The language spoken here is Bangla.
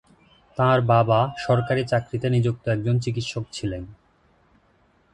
তাঁর বাবা সরকারি চাকরিতে নিযুক্ত একজন চিকিৎসক ছিলেন।